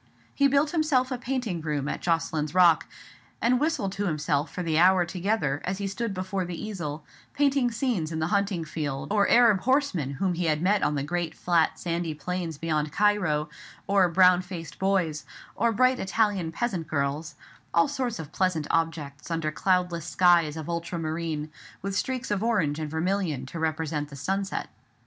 He built himself a painting room at Jocelyn's Rock; and whistled to himself for the hour together, as he stood before the easel, painting scenes in the hunting field, or Arab horsemen whom he had met on the great flat sandy plains beyond Cairo, or brown faced boys, or bright Italian peasant girls; all sorts of pleasant objects, under cloudless skies of ultra marine, with streaks of orange and vermilion to represent the sunset.